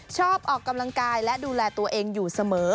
ออกกำลังกายและดูแลตัวเองอยู่เสมอ